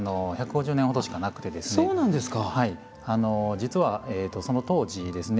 実はその当時ですね